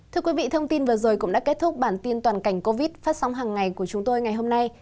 thưa quý vị thông tin vừa rồi cũng đã kết thúc bản tin toàn cảnh covid phát sóng hàng ngày của chúng tôi ngày hôm nay